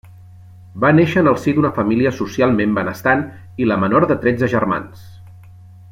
Va néixer en el si d'una família socialment benestant, i la menor de tretze germans.